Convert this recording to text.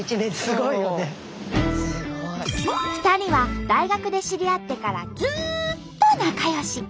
２人は大学で知り合ってからずっと仲よし！